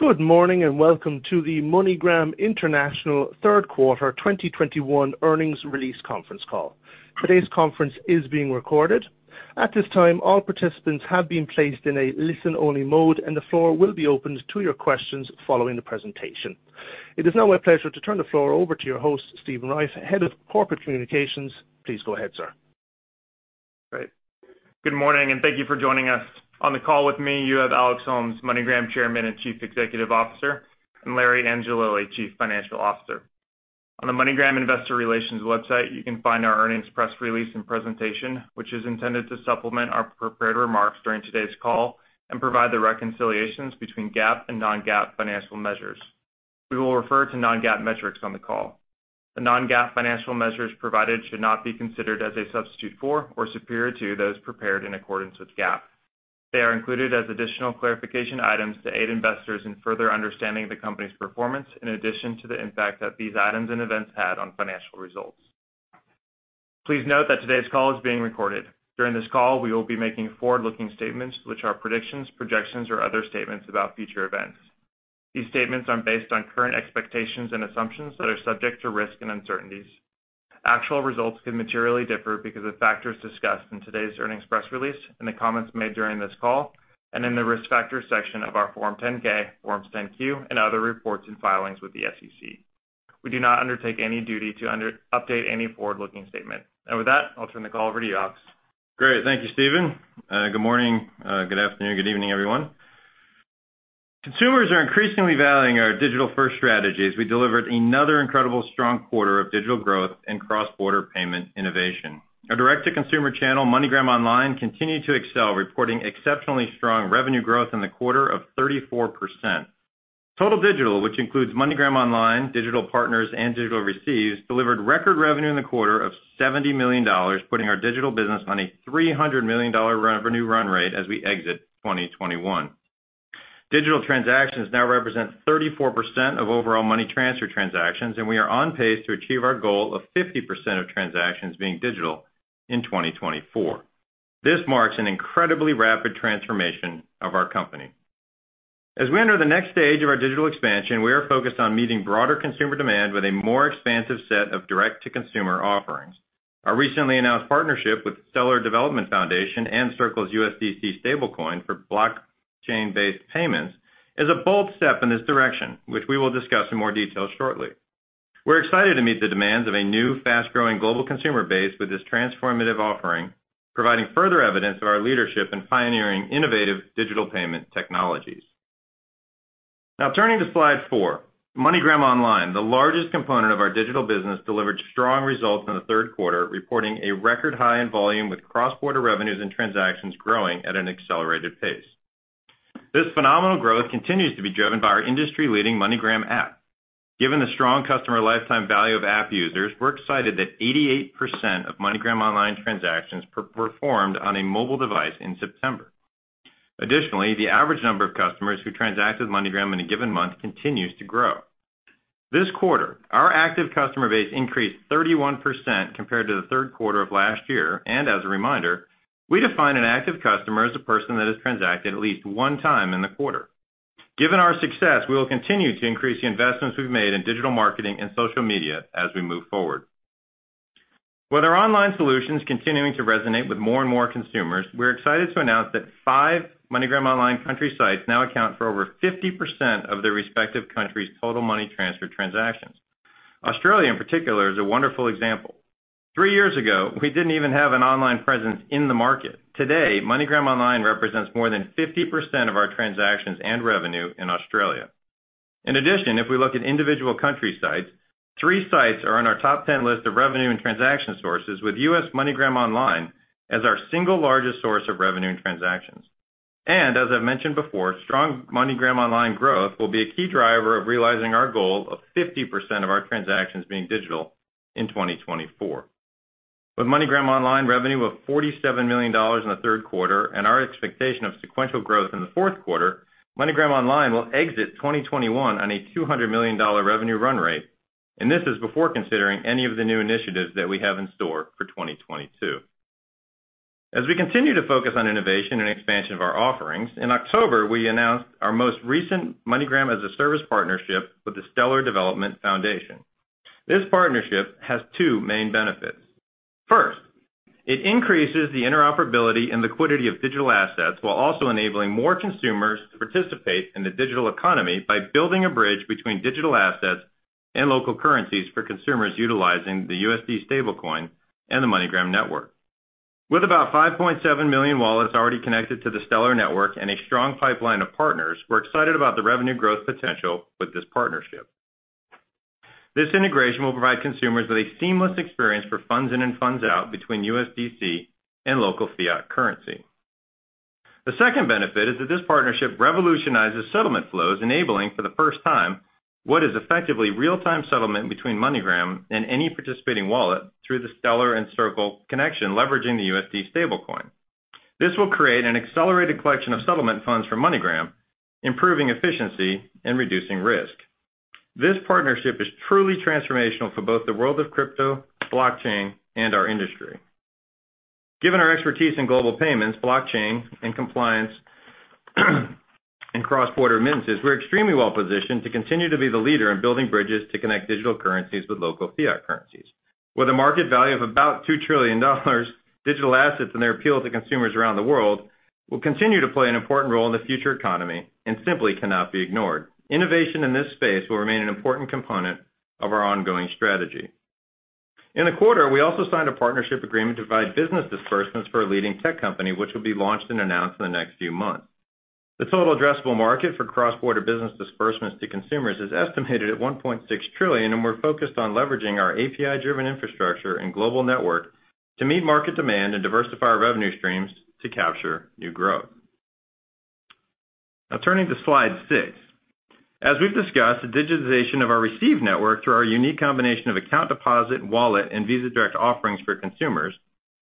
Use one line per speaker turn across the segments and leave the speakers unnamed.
Good morning, and welcome to the MoneyGram International Third Quarter 2021 Earnings Release Conference Call. Today's conference is being recorded. At this time, all participants have been placed in a listen-only mode, and the floor will be opened to your questions following the presentation. It is now my pleasure to turn the floor over to your host, Stephen Reiff, Head of Corporate Communications. Please go ahead, sir.
Great. Good morning, and thank you for joining us. On the call with me, you have Alex Holmes, MoneyGram Chairman and Chief Executive Officer, and Larry Angelilli, Chief Financial Officer. On the MoneyGram Investor Relations website, you can find our earnings press release and presentation, which is intended to supplement our prepared remarks during today's call and provide the reconciliations between GAAP and non-GAAP financial measures. We will refer to non-GAAP metrics on the call. The non-GAAP financial measures provided should not be considered as a substitute for or superior to those prepared in accordance with GAAP. They are included as additional clarification items to aid investors in further understanding the company's performance in addition to the impact that these items and events had on financial results. Please note that today's call is being recorded. During this call, we will be making forward-looking statements, which are predictions, projections, or other statements about future events. These statements are based on current expectations and assumptions that are subject to risks and uncertainties. Actual results could materially differ because of factors discussed in today's earnings press release and the comments made during this call and in the Risk Factors section of our Form 10-K, Form 10-Q and other reports and filings with the SEC. We do not undertake any duty to update any forward-looking statement. With that, I'll turn the call over to you, Alex.
Great. Thank you, Stephen. Good morning, good afternoon, good evening, everyone. Consumers are increasingly valuing our digital-first strategy as we delivered another incredibly strong quarter of digital growth and cross-border payment innovation. Our direct-to-consumer channel, MoneyGram Online, continued to excel, reporting exceptionally strong revenue growth in the quarter of 34%. Total digital, which includes MoneyGram Online, digital partners, and digital receives, delivered record revenue in the quarter of $70 million, putting our digital business on a $300 million revenue run rate as we exit 2021. Digital transactions now represent 34% of overall money transfer transactions, and we are on pace to achieve our goal of 50% of transactions being digital in 2024. This marks an incredibly rapid transformation of our company. As we enter the next stage of our digital expansion, we are focused on meeting broader consumer demand with a more expansive set of direct-to-consumer offerings. Our recently announced partnership with Stellar Development Foundation and Circle's USDC stablecoin for blockchain-based payments is a bold step in this direction, which we will discuss in more detail shortly. We're excited to meet the demands of a new, fast-growing global consumer base with this transformative offering, providing further evidence of our leadership in pioneering innovative digital payment technologies. Now, turning to slide 4. MoneyGram Online, the largest component of our digital business, delivered strong results in the third quarter, reporting a record high in volume with cross-border revenues and transactions growing at an accelerated pace. This phenomenal growth continues to be driven by our industry-leading MoneyGram app. Given the strong customer lifetime value of app users, we're excited that 88% of MoneyGram Online transactions performed on a mobile device in September. Additionally, the average number of customers who transact with MoneyGram in a given month continues to grow. This quarter, our active customer base increased 31% compared to the third quarter of last year. As a reminder, we define an active customer as a person that has transacted at least one time in the quarter. Given our success, we will continue to increase the investments we've made in digital marketing and social media as we move forward. With our online solutions continuing to resonate with more and more consumers, we're excited to announce that five MoneyGram Online country sites now account for over 50% of their respective country's total money transfer transactions. Australia, in particular, is a wonderful example. Three years ago, we didn't even have an online presence in the market. Today, MoneyGram Online represents more than 50% of our transactions and revenue in Australia. In addition, if we look at individual country sites, three sites are on our top 10 list of revenue and transaction sources with U.S. MoneyGram Online as our single largest source of revenue and transactions. As I've mentioned before, strong MoneyGram Online growth will be a key driver of realizing our goal of 50% of our transactions being digital in 2024. With MoneyGram Online revenue of $47 million in the third quarter and our expectation of sequential growth in the fourth quarter, MoneyGram Online will exit 2021 on a $200 million revenue run rate, and this is before considering any of the new initiatives that we have in store for 2022. As we continue to focus on innovation and expansion of our offerings, in October, we announced our most recent MoneyGram as a Service partnership with the Stellar Development Foundation. This partnership has two main benefits. First, it increases the interoperability and liquidity of digital assets, while also enabling more consumers to participate in the digital economy by building a bridge between digital assets and local currencies for consumers utilizing the USD stablecoin and the MoneyGram network. With about 5.7 million wallets already connected to the Stellar network and a strong pipeline of partners, we're excited about the revenue growth potential with this partnership. This integration will provide consumers with a seamless experience for funds in and funds out between USDC and local fiat currency. The second benefit is that this partnership revolutionizes settlement flows, enabling for the first time what is effectively real-time settlement between MoneyGram and any participating wallet through the Stellar and Circle connection, leveraging the USD stablecoin. This will create an accelerated collection of settlement funds for MoneyGram, improving efficiency and reducing risk. This partnership is truly transformational for both the world of crypto, blockchain, and our industry. Given our expertise in global payments, blockchain and compliance, and cross-border remittances, we're extremely well-positioned to continue to be the leader in building bridges to connect digital currencies with local fiat currencies. With a market value of about $2 trillion, digital assets and their appeal to consumers around the world will continue to play an important role in the future economy and simply cannot be ignored. Innovation in this space will remain an important component of our ongoing strategy. In the quarter, we also signed a partnership agreement to provide business disbursements for a leading tech company, which will be launched and announced in the next few months. The total addressable market for cross-border business disbursements to consumers is estimated at $1.6 trillion, and we're focused on leveraging our API-driven infrastructure and global network to meet market demand and diversify our revenue streams to capture new growth. Now turning to slide 6. As we've discussed, the digitization of our receive network through our unique combination of account deposit, wallet, and Visa Direct offerings for consumers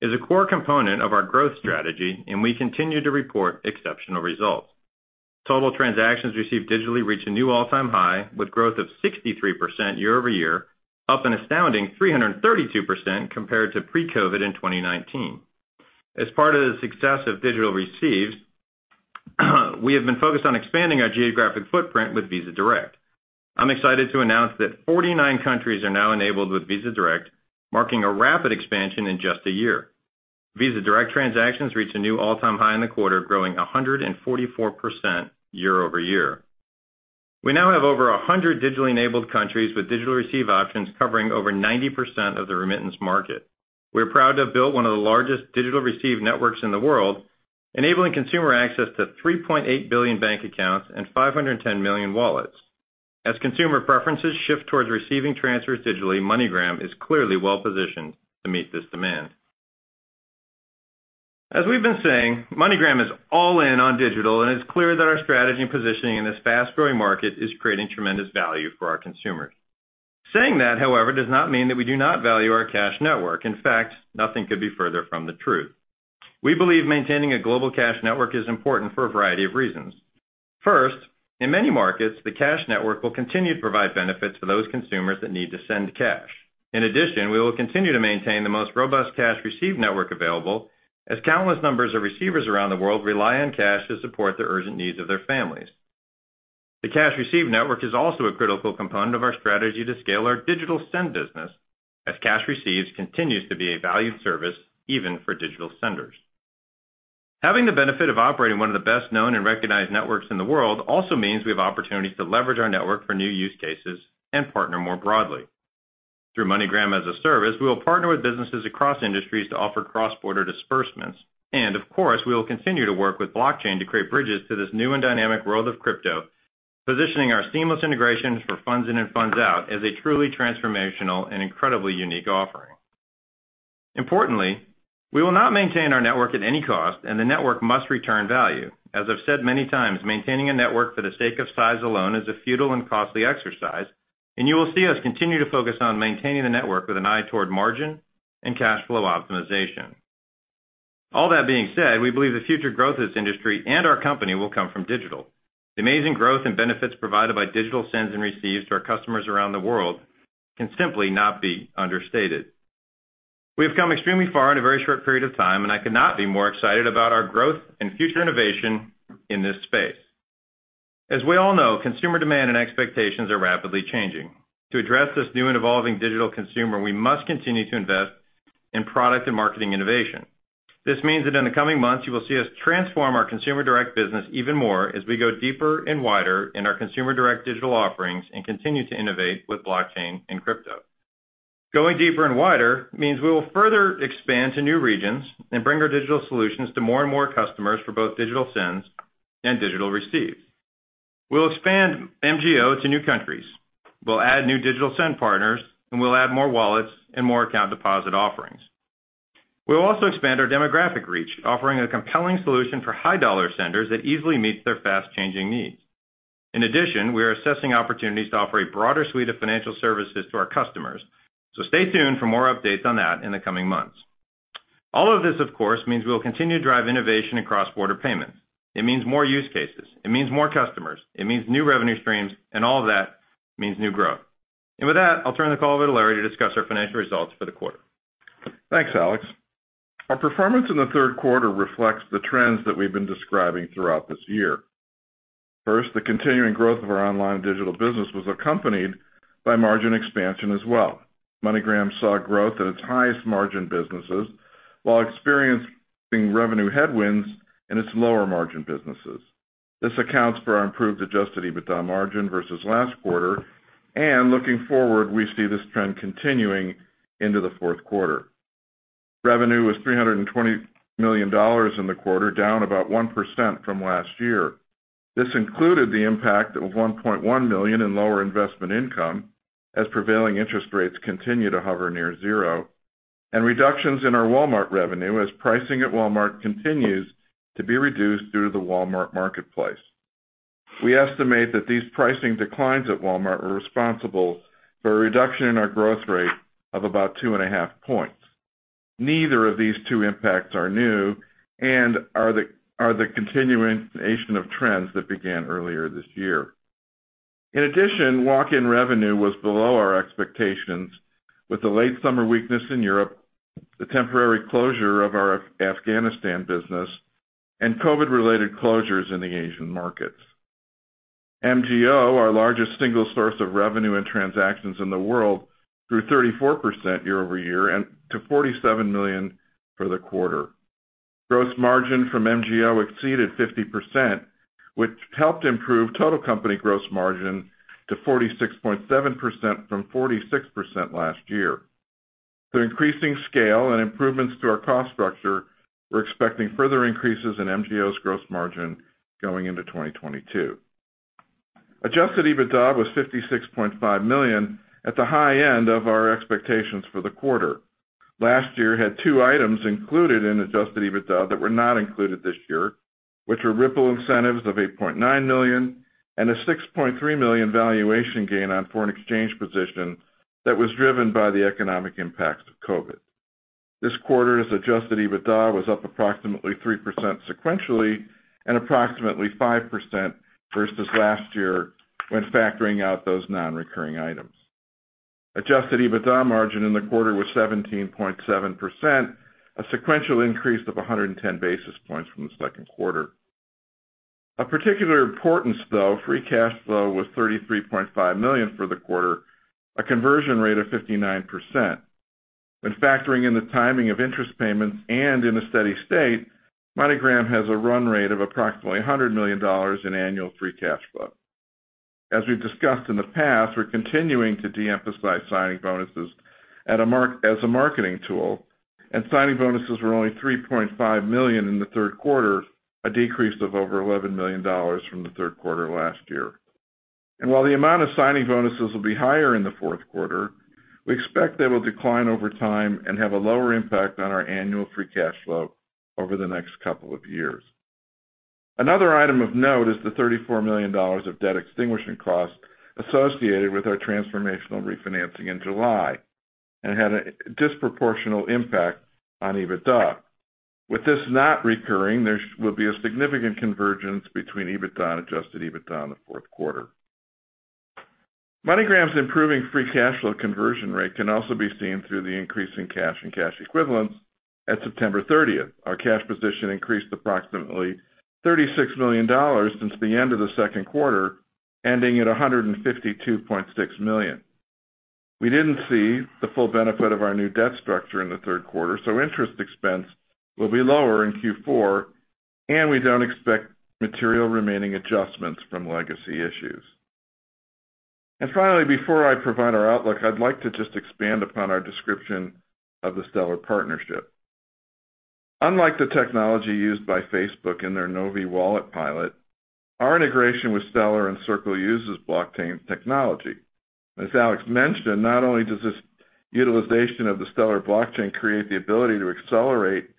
is a core component of our growth strategy, and we continue to report exceptional results. Total transactions received digitally reached a new all-time high, with growth of 63% year-over-year, up an astounding 332% compared to pre-COVID in 2019. As part of the success of digital receives, we have been focused on expanding our geographic footprint with Visa Direct. I'm excited to announce that 49 countries are now enabled with Visa Direct, marking a rapid expansion in just a year. Visa Direct transactions reached a new all-time high in the quarter, growing 144% year-over-year. We now have over 100 digitally enabled countries with digital receive options covering over 90% of the remittance market. We're proud to have built one of the largest digital receive networks in the world, enabling consumer access to 3.8 billion bank accounts and 510 million wallets. As consumer preferences shift towards receiving transfers digitally, MoneyGram is clearly well-positioned to meet this demand. As we've been saying, MoneyGram is all in on digital, and it's clear that our strategy and positioning in this fast-growing market is creating tremendous value for our consumers. Saying that, however, does not mean that we do not value our cash network. In fact, nothing could be further from the truth. We believe maintaining a global cash network is important for a variety of reasons. First, in many markets, the cash network will continue to provide benefits for those consumers that need to send cash. In addition, we will continue to maintain the most robust cash receive network available as countless numbers of receivers around the world rely on cash to support the urgent needs of their families. The cash receive network is also a critical component of our strategy to scale our digital send business as cash receives continues to be a valued service even for digital senders. Having the benefit of operating one of the best-known and recognized networks in the world also means we have opportunities to leverage our network for new use cases and partner more broadly. Through MoneyGram as a Service, we will partner with businesses across industries to offer cross-border disbursements and, of course, we will continue to work with blockchain to create bridges to this new and dynamic world of crypto, positioning our seamless integrations for funds in and funds out as a truly transformational and incredibly unique offering. Importantly, we will not maintain our network at any cost, and the network must return value. As I've said many times, maintaining a network for the sake of size alone is a futile and costly exercise, and you will see us continue to focus on maintaining the network with an eye toward margin and cash flow optimization. All that being said, we believe the future growth of this industry and our company will come from digital. The amazing growth and benefits provided by digital sends and receives to our customers around the world can simply not be understated. We have come extremely far in a very short period of time, and I could not be more excited about our growth and future innovation in this space. As we all know, consumer demand and expectations are rapidly changing. To address this new and evolving digital consumer, we must continue to invest in product and marketing innovation. This means that in the coming months, you will see us transform our consumer direct business even more as we go deeper and wider in our consumer direct digital offerings and continue to innovate with blockchain and crypto. Going deeper and wider means we will further expand to new regions and bring our digital solutions to more and more customers for both digital sends and digital receives. We'll expand MGO to new countries. We'll add new digital send partners, and we'll add more wallets and more account deposit offerings. We'll also expand our demographic reach, offering a compelling solution for high-dollar senders that easily meets their fast-changing needs. In addition, we are assessing opportunities to offer a broader suite of financial services to our customers, so stay tuned for more updates on that in the coming months. All of this, of course, means we will continue to drive innovation in cross-border payments. It means more use cases. It means more customers. It means new revenue streams, and all of that means new growth. With that, I'll turn the call over to Larry to discuss our financial results for the quarter.
Thanks, Alex. Our performance in the third quarter reflects the trends that we've been describing throughout this year. First, the continuing growth of our online digital business was accompanied by margin expansion as well. MoneyGram saw growth at its highest margin businesses while experiencing revenue headwinds in its lower-margin businesses. This accounts for our improved Adjusted EBITDA margin versus last quarter, and looking forward, we see this trend continuing into the fourth quarter. Revenue was $320 million in the quarter, down about 1% from last year. This included the impact of $1.1 million in lower investment income as prevailing interest rates continue to hover near zero, and reductions in our Walmart revenue as pricing at Walmart continues to be reduced due to the Walmart Marketplace. We estimate that these pricing declines at Walmart are responsible for a reduction in our growth rate of about 2.5 points. Neither of these two impacts are new and are the continuation of trends that began earlier this year. In addition, walk-in revenue was below our expectations with the late summer weakness in Europe, the temporary closure of our Afghanistan business and COVID-related closures in the Asian markets. MGO, our largest single source of revenue and transactions in the world, grew 34% year-over-year and to 47 million for the quarter. Gross margin from MGO exceeded 50%, which helped improve total company gross margin to 46.7% from 46% last year. Through increasing scale and improvements to our cost structure, we're expecting further increases in MGO's gross margin going into 2022. Adjusted EBITDA was $56.5 million at the high end of our expectations for the quarter. Last year had two items included in adjusted EBITDA that were not included this year, which were Ripple incentives of $8.9 million and a $6.3 million valuation gain on foreign exchange position that was driven by the economic impacts of COVID. This quarter's adjusted EBITDA was up approximately 3% sequentially and approximately 5% versus last year when factoring out those non-recurring items. Adjusted EBITDA margin in the quarter was 17.7%, a sequential increase of 110 basis points from the second quarter. Of particular importance though, free cash flow was $33.5 million for the quarter, a conversion rate of 59%. When factoring in the timing of interest payments and in a steady state, MoneyGram has a run rate of approximately $100 million in annual free cash flow. As we've discussed in the past, we're continuing to de-emphasize signing bonuses as a marketing tool, and signing bonuses were only $3.5 million in the third quarter, a decrease of over $11 million from the third quarter last year. While the amount of signing bonuses will be higher in the fourth quarter, we expect they will decline over time and have a lower impact on our annual free cash flow over the next couple of years. Another item of note is the $34 million of debt extinguishment costs associated with our transformational refinancing in July, and had a disproportionate impact on EBITDA. With this not recurring, there will be a significant convergence between EBITDA and adjusted EBITDA in the fourth quarter. MoneyGram's improving free cash flow conversion rate can also be seen through the increase in cash and cash equivalents at September 30. Our cash position increased approximately $36 million since the end of the second quarter, ending at $152.6 million. We didn't see the full benefit of our new debt structure in the third quarter, so interest expense will be lower in Q4, and we don't expect material remaining adjustments from legacy issues. Finally, before I provide our outlook, I'd like to just expand upon our description of the Stellar partnership. Unlike the technology used by Facebook in their Novi Wallet pilot, our integration with Stellar and Circle uses blockchain technology. As Alex mentioned, not only does this utilization of the Stellar blockchain create the ability to accelerate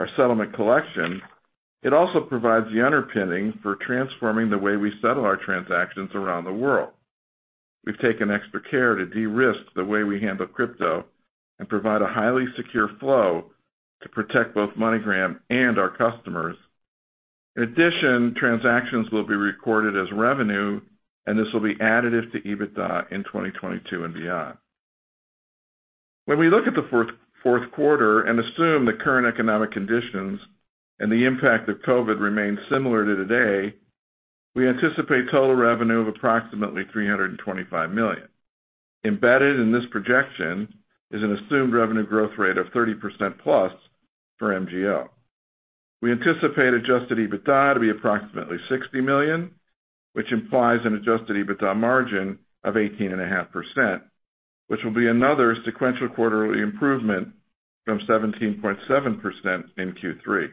our settlement collection, it also provides the underpinning for transforming the way we settle our transactions around the world. We've taken extra care to de-risk the way we handle crypto and provide a highly secure flow to protect both MoneyGram and our customers. In addition, transactions will be recorded as revenue, and this will be additive to EBITDA in 2022 and beyond. When we look at the fourth quarter and assume the current economic conditions and the impact of COVID remain similar to today, we anticipate total revenue of approximately $325 million. Embedded in this projection is an assumed revenue growth rate of 30%+ for MGO. We anticipate Adjusted EBITDA to be approximately $60 million, which implies an Adjusted EBITDA margin of 18.5%, which will be another sequential quarterly improvement from 17.7% in Q3.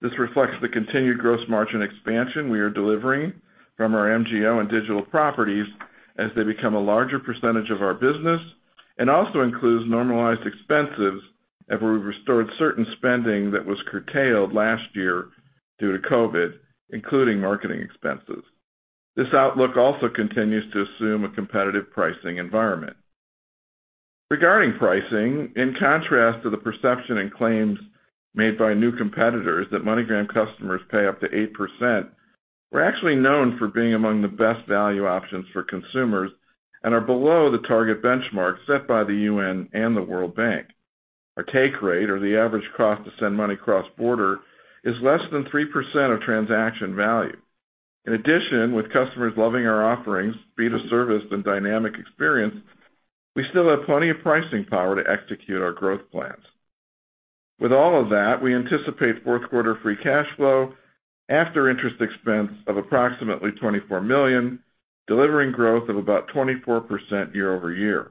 This reflects the continued gross margin expansion we are delivering from our MGO and digital properties as they become a larger percentage of our business and also includes normalized expenses after we restored certain spending that was curtailed last year due to COVID, including marketing expenses. This outlook also continues to assume a competitive pricing environment. Regarding pricing, in contrast to the perception and claims made by new competitors that MoneyGram customers pay up to 8%, we're actually known for being among the best value options for consumers and are below the target benchmark set by the UN and the World Bank. Our take rate or the average cost to send money cross-border is less than 3% of transaction value. In addition, with customers loving our offerings, speed of service, and dynamic experience, we still have plenty of pricing power to execute our growth plans. With all of that, we anticipate fourth quarter free cash flow after interest expense of approximately $24 million, delivering growth of about 24% year-over-year.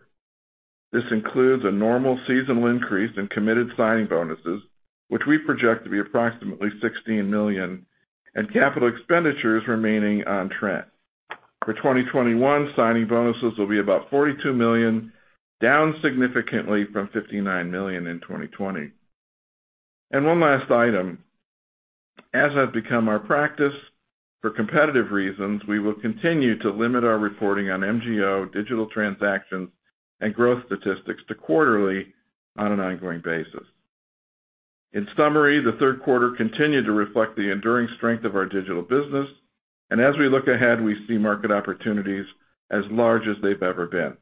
This includes a normal seasonal increase in committed signing bonuses, which we project to be approximately $16 million and capital expenditures remaining on trend. For 2021, signing bonuses will be about $42 million, down significantly from $59 million in 2020. One last item As has become our practice for competitive reasons, we will continue to limit our reporting on MGO digital transactions and growth statistics to quarterly on an ongoing basis. In summary, the third quarter continued to reflect the enduring strength of our digital business. As we look ahead, we see market opportunities as large as they've ever been.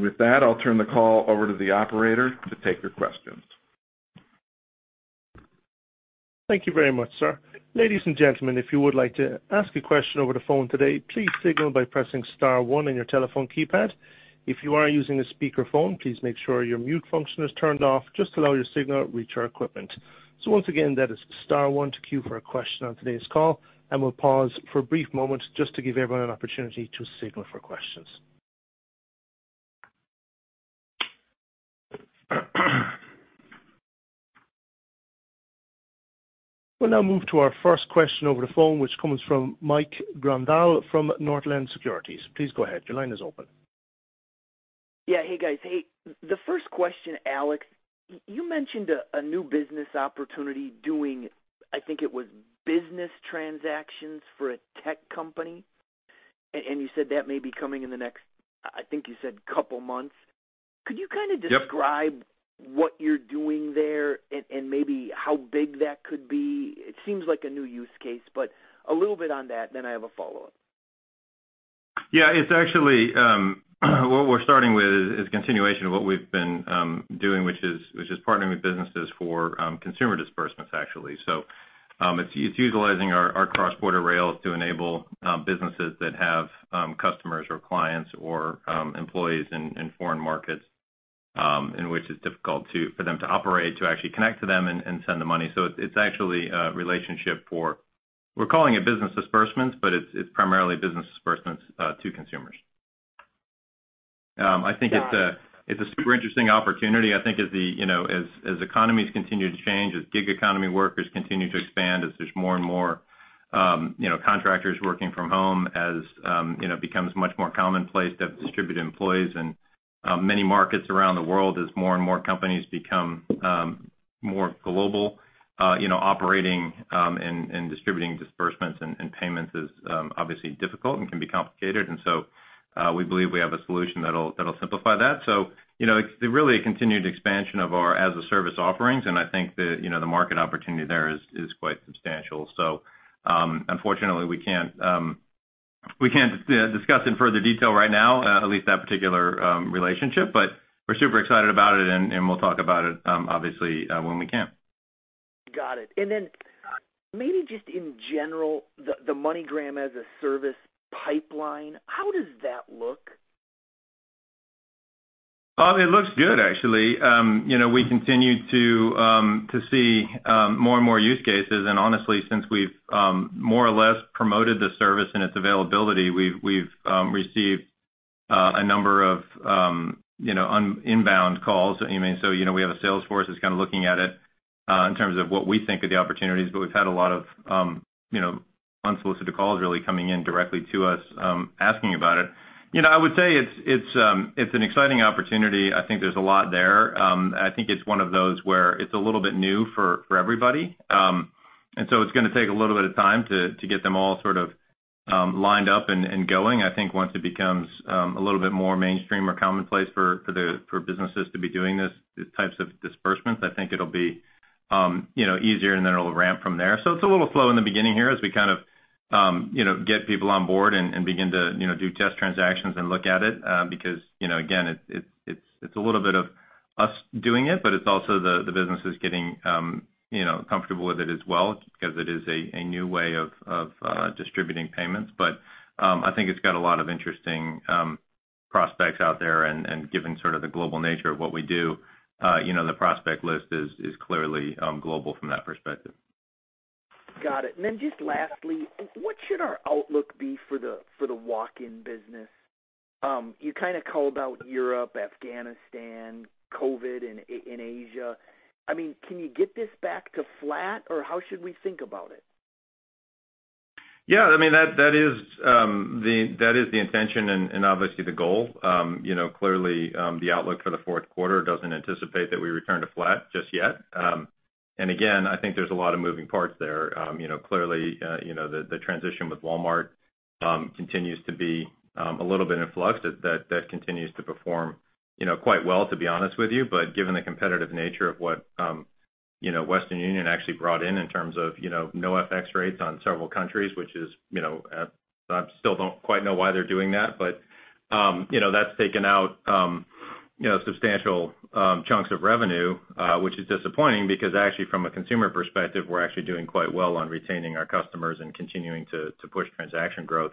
With that, I'll turn the call over to the operator to take your questions.
Thank you very much, sir. Ladies and gentlemen, if you would like to ask a question over the phone today, please signal by pressing star one on your telephone keypad. If you are using a speakerphone, please make sure your mute function is turned off just to allow your signal to reach our equipment. Once again, that is star one to queue for a question on today's call, and we'll pause for a brief moment just to give everyone an opportunity to signal for questions. We'll now move to our first question over the phone, which comes from Mike Grondahl from Northland Securities. Please go ahead. Your line is open.
Yeah. Hey, guys. Hey, the first question, Alex, you mentioned a new business opportunity doing, I think it was business transactions for a tech company, and you said that may be coming in the next, I think you said couple months. Could you kind of-
Yep.
Describe what you're doing there and maybe how big that could be? It seems like a new use case, but a little bit on that, then I have a follow-up.
It's actually what we're starting with is continuation of what we've been doing, which is partnering with businesses for consumer disbursements actually. It's utilizing our cross-border rails to enable businesses that have customers or clients or employees in foreign markets in which it's difficult for them to operate to actually connect to them and send the money. It's actually a relationship for. We're calling it business disbursements, but it's primarily business disbursements to consumers. I think it's a- It's a super interesting opportunity. I think as the you know as economies continue to change, as gig economy workers continue to expand, as there's more and more you know contractors working from home, as you know it becomes much more commonplace to have distributed employees in many markets around the world. As more and more companies become more global, you know operating and distributing disbursements and payments is obviously difficult and can be complicated. We believe we have a solution that'll simplify that. You know it's really a continued expansion of our as-a-service offerings, and I think the you know the market opportunity there is quite substantial. Unfortunately, we can't discuss in further detail right now, at least that particular relationship, but we're super excited about it, and we'll talk about it, obviously, when we can.
Got it. Maybe just in general, the MoneyGram as a Service pipeline, how does that look?
It looks good actually. You know, we continue to see more and more use cases. Honestly, since we've more or less promoted the service and its availability, we've received a number of, you know, inbound calls. I mean, you know, we have a sales force that's kinda looking at it in terms of what we think are the opportunities. We've had a lot of, you know, unsolicited calls really coming in directly to us asking about it. You know, I would say it's an exciting opportunity. I think there's a lot there. I think it's one of those where it's a little bit new for everybody. It's gonna take a little bit of time to get them all sort of lined up and going. I think once it becomes a little bit more mainstream or commonplace for businesses to be doing this, these types of disbursements, I think it'll be you know, easier and then it'll ramp from there. It's a little slow in the beginning here as we kind of you know, get people on board and begin to you know, do test transactions and look at it because you know, again, it's a little bit of us doing it, but it's also the businesses getting you know, comfortable with it as well because it is a new way of distributing payments. I think it's got a lot of interesting prospects out there and given sort of the global nature of what we do, you know, the prospect list is clearly global from that perspective.
Got it. Just lastly, what should our outlook be for the walk-in business? You kinda called out Europe, Afghanistan, COVID in Asia. I mean, can you get this back to flat, or how should we think about it?
Yeah, I mean, that is the intention and obviously the goal. You know, clearly, the outlook for the fourth quarter doesn't anticipate that we return to flat just yet. Again, I think there's a lot of moving parts there. You know, clearly, you know, the transition with Walmart continues to be a little bit in flux. That continues to perform you know quite well, to be honest with you. Given the competitive nature of what you know Western Union actually brought in terms of, you know, no FX rates on several countries, which is, you know, I still don't quite know why they're doing that. You know, that's taken out substantial chunks of revenue, which is disappointing because actually from a consumer perspective, we're actually doing quite well on retaining our customers and continuing to push transaction growth.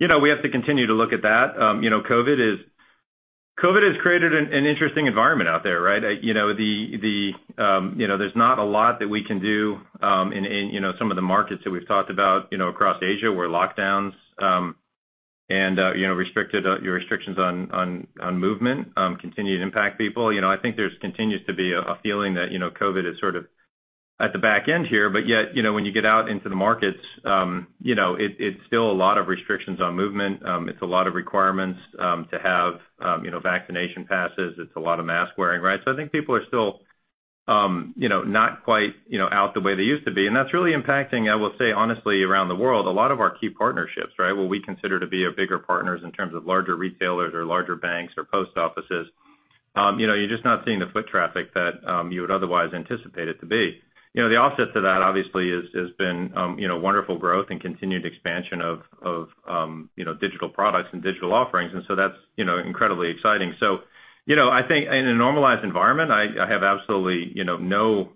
You know, we have to continue to look at that. COVID has created an interesting environment out there, right? You know, there's not a lot that we can do in some of the markets that we've talked about across Asia, where lockdowns and restrictions on movement continue to impact people. You know, I think there continues to be a feeling that COVID is sort of at the back end here. Yet, you know, when you get out into the markets, you know, it's still a lot of restrictions on movement. It's a lot of requirements to have, you know, vaccination passes. It's a lot of mask wearing, right? I think people are still you know, not quite, you know, out the way they used to be. That's really impacting, I will say honestly, around the world, a lot of our key partnerships, right? What we consider to be our bigger partners in terms of larger retailers or larger banks or post offices. You know, you're just not seeing the foot traffic that you would otherwise anticipate it to be. You know, the offset to that obviously has been wonderful growth and continued expansion of you know, digital products and digital offerings. That's, you know, incredibly exciting. You know, I think in a normalized environment, I have absolutely, you know, no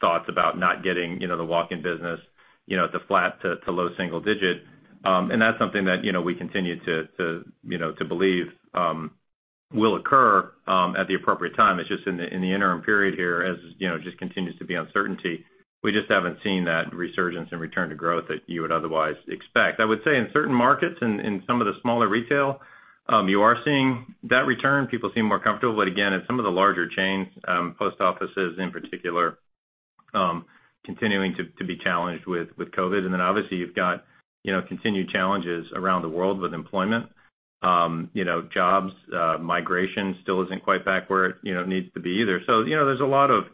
thoughts about not getting, you know, the walk-in business, you know, at the flat to low single digit. That's something that, you know, we continue to believe will occur at the appropriate time. It's just in the interim period here, as you know, just continues to be uncertainty. We just haven't seen that resurgence and return to growth that you would otherwise expect. I would say in certain markets, in some of the smaller retail, you are seeing that return. People seem more comfortable, but again, in some of the larger chains, post offices in particular, continuing to be challenged with COVID. Obviously you've got, you know, continued challenges around the world with employment, you know, jobs, migration still isn't quite back where, you know, it needs to be either. You know, there's a lot of,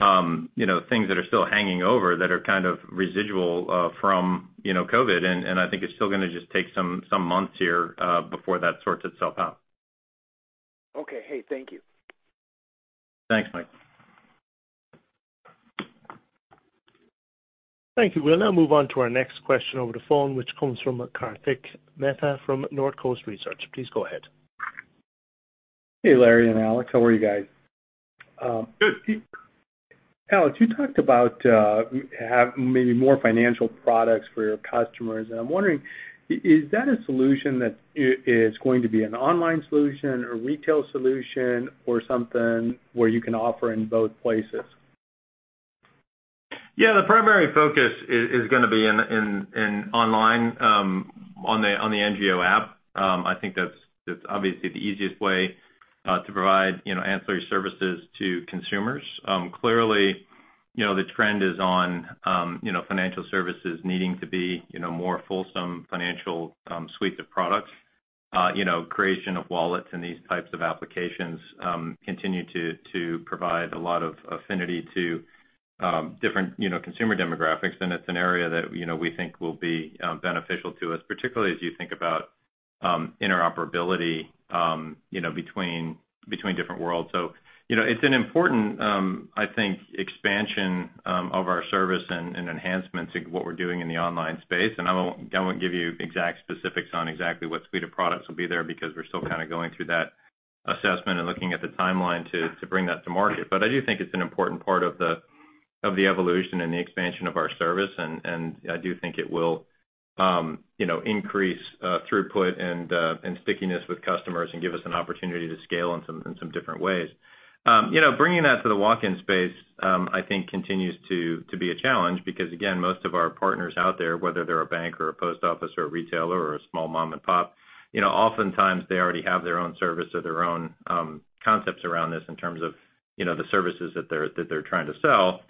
you know, things that are still hanging over that are kind of residual from, you know, COVID. I think it's still gonna just take some months here before that sorts itself out.
Okay. Hey, thank you.
Thanks, Mike.
Thank you. We'll now move on to our next question over the phone, which comes from Kartik Mehta from Northcoast Research. Please go ahead.
Hey, Larry and Alex, how are you guys?
Good.
Alex, you talked about have maybe more financial products for your customers, and I'm wondering is that a solution that is going to be an online solution or retail solution or something where you can offer in both places?
Yeah. The primary focus is gonna be in online, on the MGO app. I think that's obviously the easiest way to provide, you know, ancillary services to consumers. Clearly, you know, the trend is on, you know, financial services needing to be, you know, more fulsome financial suite of products. You know, creation of wallets and these types of applications continue to provide a lot of affinity to different, you know, consumer demographics. It's an area that, you know, we think will be beneficial to us, particularly as you think about interoperability, you know, between different worlds. You know, it's an important, I think expansion of our service and enhancements in what we're doing in the online space. I won't give you exact specifics on exactly what suite of products will be there because we're still kinda going through that assessment and looking at the timeline to bring that to market. I do think it's an important part of the evolution and the expansion of our service. I do think it will, you know, increase throughput and stickiness with customers and give us an opportunity to scale in some different ways. You know, bringing that to the walk-in space, I think continues to be a challenge because again, most of our partners out there, whether they're a bank or a post office or a retailer or a small mom and pop, you know, oftentimes they already have their own service or their own concepts around this in terms of, you know, the services that they're trying to sell.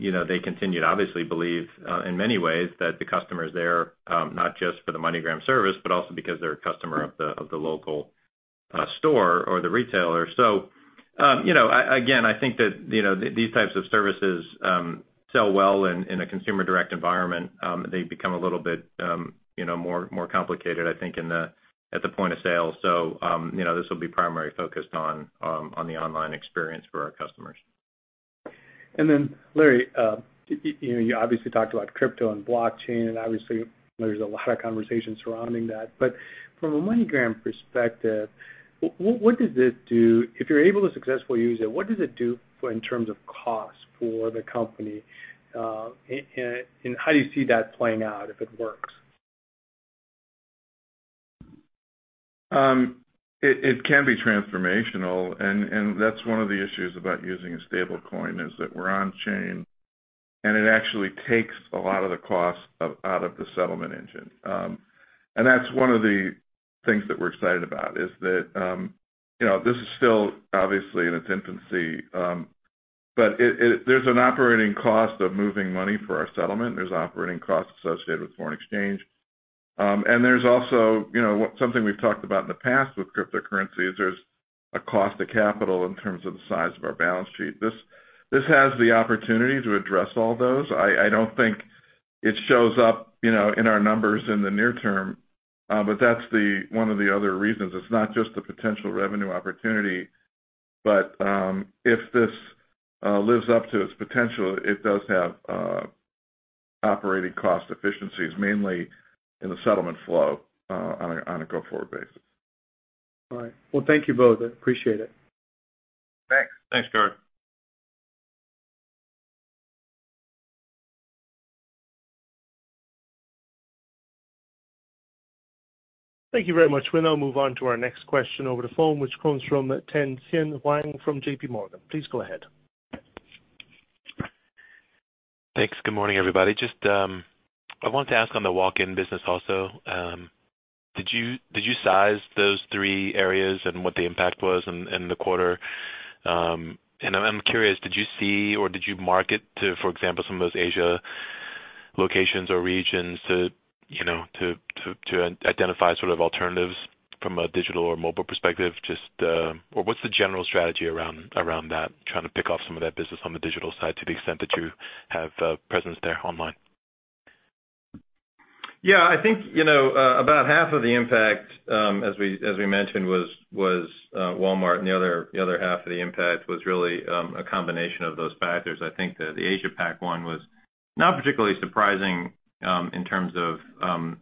You know, they continue to obviously believe in many ways that the customer is there, not just for the MoneyGram service, but also because they're a customer of the local store or the retailer. Again, I think that, you know, these types of services sell well in a consumer direct environment. They become a little bit, you know, more complicated, I think, at the point of sale. You know, this will be primarily focused on the online experience for our customers.
Larry, you know, you obviously talked about crypto and blockchain, and obviously there's a lot of conversation surrounding that. From a MoneyGram perspective, what does this do? If you're able to successfully use it, what does it do for in terms of cost for the company? How do you see that playing out if it works?
It can be transformational. That's one of the issues about using a stablecoin, is that we're on-chain, and it actually takes a lot of the cost out of the settlement engine. That's one of the things that we're excited about, is that, you know, this is still obviously in its infancy. There's an operating cost of moving money for our settlement. There's operating costs associated with foreign exchange. There's also, you know, something we've talked about in the past with cryptocurrencies, there's a cost to capital in terms of the size of our balance sheet. This has the opportunity to address all those. I don't think it shows up, you know, in our numbers in the near term. That's one of the other reasons. It's not just the potential revenue opportunity, but if this lives up to its potential, it does have operating cost efficiencies, mainly in the settlement flow, on a go-forward basis.
All right. Well, thank you both. I appreciate it.
Thanks.
Thanks, Kartik.
Thank you very much. We'll now move on to our next question over the phone, which comes from Tien-Tsin Huang from JPMorgan. Please go ahead.
Thanks. Good morning, everybody. Just, I wanted to ask on the walk-in business also. Did you size those three areas and what the impact was in the quarter? And I'm curious, did you see or did you market to, for example, some of those Asian locations or regions to, you know, to identify sort of alternatives from a digital or mobile perspective. Or what's the general strategy around that, trying to pick off some of that business on the digital side to the extent that you have presence there online?
Yeah, I think, you know, about half of the impact, as we mentioned, was Walmart, and the other half of the impact was really a combination of those factors. I think the Asia Pac one was not particularly surprising in terms of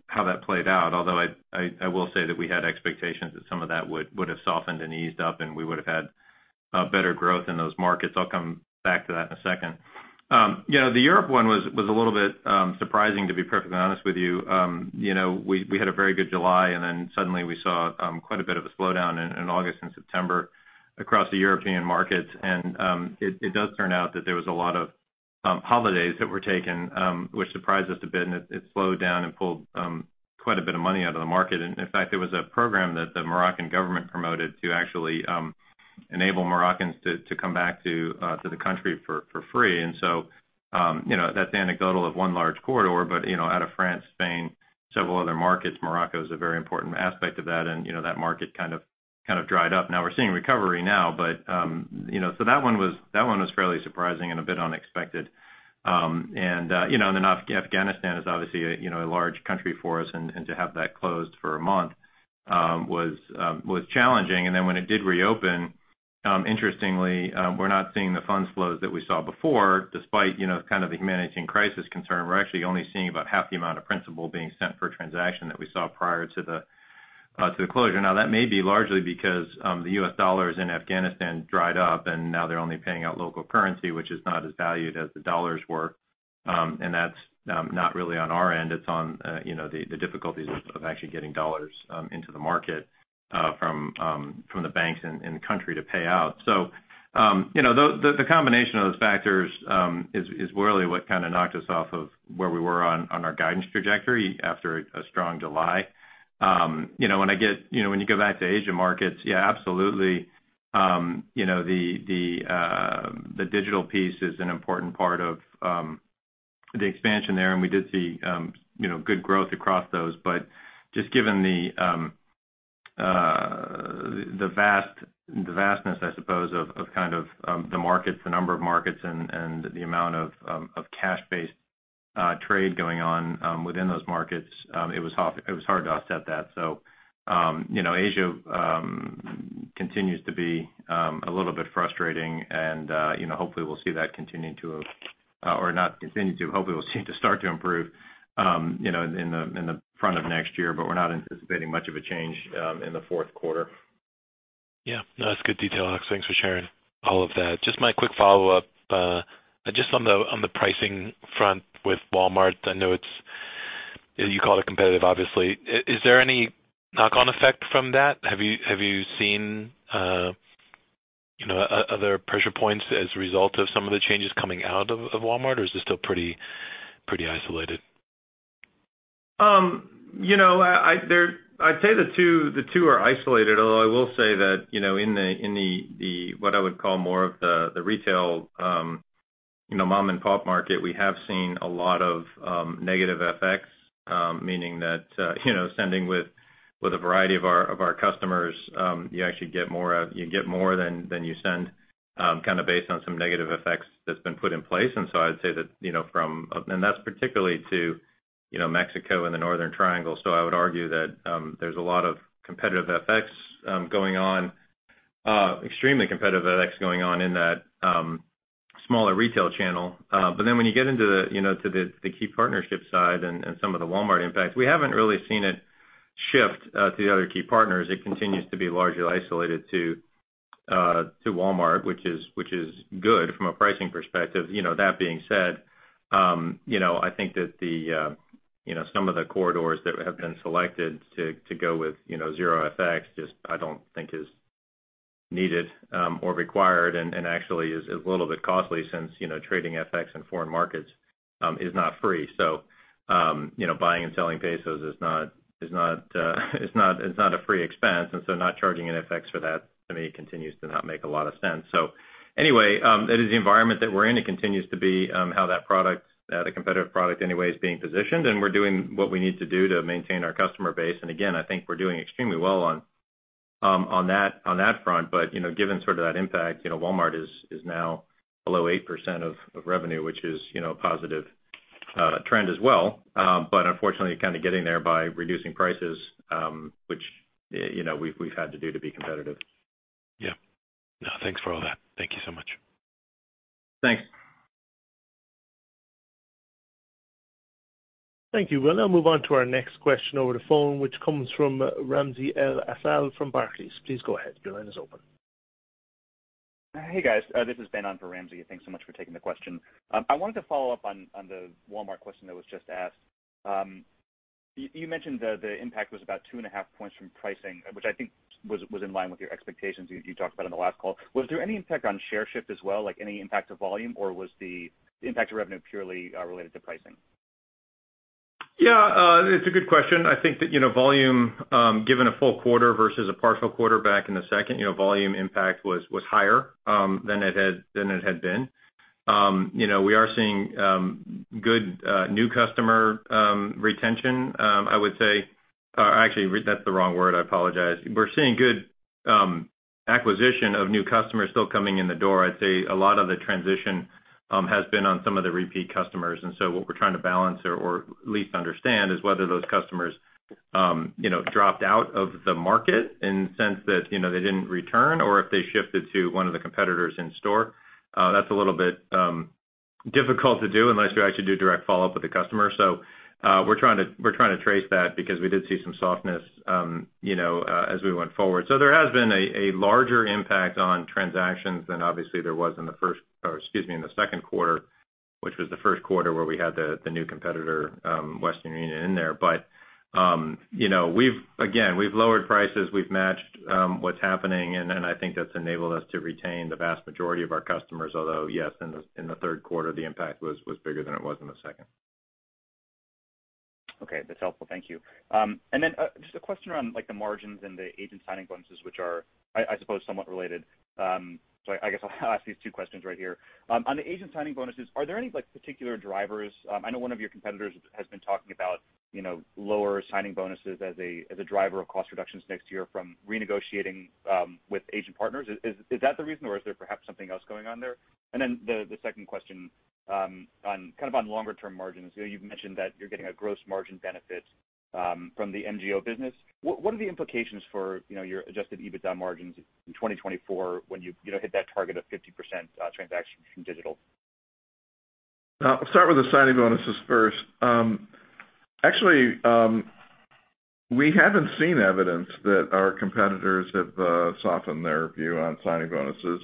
how that played out. Although I will say that we had expectations that some of that would have softened and eased up, and we would have had better growth in those markets. I'll come back to that in a second. You know, the Europe one was a little bit surprising to be perfectly honest with you. You know, we had a very good July, and then suddenly we saw quite a bit of a slowdown in August and September across the European markets. It does turn out that there was a lot of holidays that were taken, which surprised us a bit, and it slowed down and pulled quite a bit of money out of the market. In fact, there was a program that the Moroccan government promoted to actually enable Moroccans to come back to the country for free. You know, that's anecdotal of one large corridor, but you know, out of France, Spain, several other markets, Morocco is a very important aspect of that. You know, that market kind of dried up. Now we're seeing recovery now, but you know. That one was fairly surprising and a bit unexpected. You know, then Afghanistan is obviously a large country for us and to have that closed for a month was challenging. Then when it did reopen, interestingly, we're not seeing the funds flows that we saw before despite you know kind of the humanitarian crisis concern. We're actually only seeing about half the amount of principal being sent per transaction that we saw prior to the closure. Now, that may be largely because the U.S. dollars in Afghanistan dried up, and now they're only paying out local currency, which is not as valued as the dollars were. That's not really on our end. It's on the difficulties of actually getting dollars into the market from the banks in the country to pay out. The combination of those factors is really what kind of knocked us off of where we were on our guidance trajectory after a strong July. You know, when you go back to Asia markets, yeah, absolutely, you know, the digital piece is an important part of the expansion there, and we did see you know, good growth across those. Just given the vastness, I suppose, of kind of the markets, the number of markets and the amount of cash-based trade going on within those markets, it was hard to offset that. You know, Asia continues to be a little bit frustrating and, you know, hopefully we'll see it start to improve, you know, in the front of next year, but we're not anticipating much of a change in the fourth quarter.
Yeah. No, that's good detail, Alex. Thanks for sharing all of that. Just my quick follow-up, just on the pricing front with Walmart, I know it's, you call it competitive, obviously. Is there any knock-on effect from that? Have you seen, you know, other pressure points as a result of some of the changes coming out of Walmart, or is this still pretty isolated?
I'd say the two are isolated, although I will say that, you know, in what I would call more of the retail, you know, mom-and-pop market, we have seen a lot of negative FX, meaning that, you know, sending with a variety of our customers, you actually get more out, you get more than you send, kinda based on some negative effects that's been put in place. That's particularly to, you know, Mexico and the Northern Triangle. I would argue that there's a lot of competitive effects going on, extremely competitive effects going on in that smaller retail channel. When you get into the key partnership side and some of the Walmart impact, we haven't really seen it shift to the other key partners. It continues to be largely isolated to Walmart, which is good from a pricing perspective. You know, that being said, you know, I think that some of the corridors that have been selected to go with zero FX just I don't think is needed or required and actually is a little bit costly since trading FX in foreign markets is not free. You know, buying and selling pesos is not a free expense, and so not charging an FX for that, to me, continues to not make a lot of sense. Anyway, it is the environment that we're in. It continues to be how that product, the competitive product anyway is being positioned, and we're doing what we need to do to maintain our customer base. Again, I think we're doing extremely well on that front. You know, given sort of that impact, you know, Walmart is now below 8% of revenue, which is, you know, a positive trend as well. Unfortunately, kind of getting there by reducing prices, which you know, we've had to do to be competitive.
Yeah. No, thanks for all that. Thank you so much.
Thanks.
Thank you. We'll now move on to our next question over the phone, which comes from Ramsey El-Assal from Barclays. Please go ahead. Your line is open.
Hey, guys. This is Ben on for Ramsey. Thanks so much for taking the question. I wanted to follow up on the Walmart question that was just asked. You mentioned the impact was about 2.5 points from pricing, which I think was in line with your expectations you talked about on the last call. Was there any impact on share shift as well, like any impact to volume, or was the impact to revenue purely related to pricing?
Yeah, it's a good question. I think that, you know, volume given a full quarter versus a partial quarter back in the second, you know, volume impact was higher than it had been. You know, we are seeing good acquisition of new customers still coming in the door. I'd say a lot of the transition has been on some of the repeat customers. What we're trying to balance or at least understand is whether those customers, you know, dropped out of the market in the sense that, you know, they didn't return, or if they shifted to one of the competitors in store. That's a little bit difficult to do unless you actually do direct follow-up with the customer. We're trying to trace that because we did see some softness, you know, as we went forward. There has been a larger impact on transactions than obviously there was in the second quarter, which was the first quarter where we had the new competitor, Western Union in there. You know, we've again lowered prices, we've matched what's happening, and I think that's enabled us to retain the vast majority of our customers. Although yes, in the third quarter, the impact was bigger than it was in the second.
Okay. That's helpful. Thank you. Just a question around, like, the margins and the agent signing bonuses, which are, I suppose somewhat related. I guess I'll ask these two questions right here. On the agent signing bonuses, are there any, like, particular drivers? I know one of your competitors has been talking about, you know, lower signing bonuses as a driver of cost reductions next year from renegotiating with agent partners. Is that the reason, or is there perhaps something else going on there? The second question, on kind of longer term margins, you know, you've mentioned that you're getting a gross margin benefit from the MGO business. What are the implications for, you know, your Adjusted EBITDA margins in 2024 when you know, hit that target of 50% transaction from digital?
I'll start with the signing bonuses first. Actually, we haven't seen evidence that our competitors have softened their view on signing bonuses.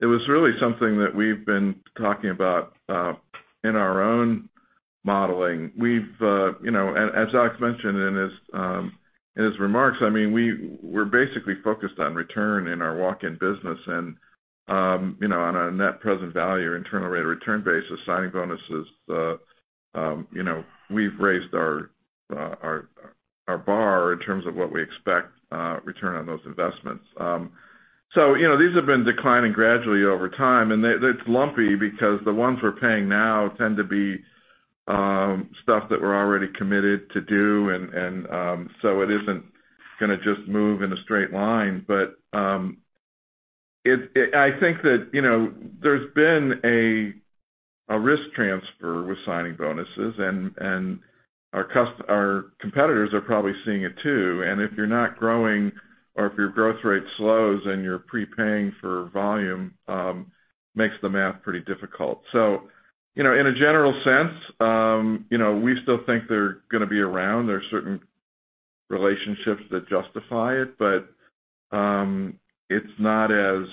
It was really something that we've been talking about in our own modeling. You know, as Alex mentioned in his remarks, I mean, we're basically focused on return in our walk-in business and, you know, on a net present value, internal rate of return basis, signing bonuses, you know, we've raised our bar in terms of what we expect return on those investments. You know, these have been declining gradually over time, and it's lumpy because the ones we're paying now tend to be stuff that we're already committed to do. It isn't gonna just move in a straight line. I think that, you know, there's been a risk transfer with signing bonuses and our competitors are probably seeing it too. If you're not growing or if your growth rate slows and you're prepaying for volume, it makes the math pretty difficult. You know, in a general sense, you know, we still think they're gonna be around. There are certain relationships that justify it, but it's not as